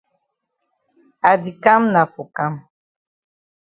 I di kam na for kam.